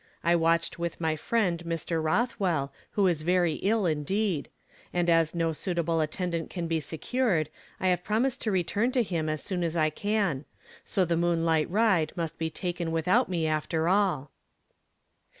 I watched with my friend Mr. Hothwell, who is very ill indeed ; and as no suitable attendant can be secured, I have promised to i eturn to him as soon as I can ; so the moonlight ride must be taken without nie after all."